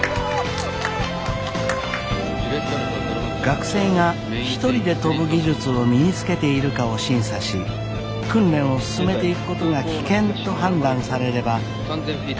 学生が一人で飛ぶ技術を身につけているかを審査し訓練を進めていくことが危険と判断されれば退学となってしまいます。